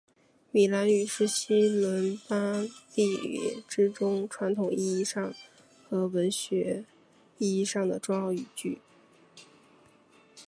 米兰语是西伦巴第语之中传统意义上和文学意义上最重要的语言。